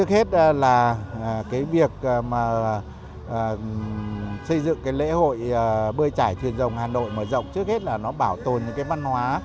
hàng năm tại nhiều địa phương của hà nội vẫn tổ chức lễ hội bơi trải thuyền rồng mở rộng năm hai nghìn một mươi tám là hoạt động văn hóa có ý nghĩa giúp bảo tồn nét văn hóa